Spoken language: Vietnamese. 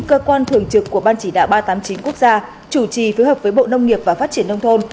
cơ quan thường trực của ban chỉ đạo ba trăm tám mươi chín quốc gia chủ trì phối hợp với bộ nông nghiệp và phát triển nông thôn